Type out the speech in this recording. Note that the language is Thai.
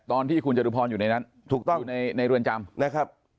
ตอนที่คุณจรุพรอยู่ในนั้นอยู่ในร่วนจำ